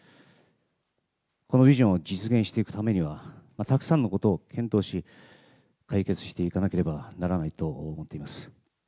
このビジョンを実現していくためには、たくさんのことを検討し、解決していかなければならないと思っています。